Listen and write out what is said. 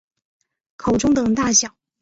口中等大小。